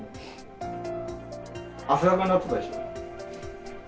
汗だくになってたでしょ。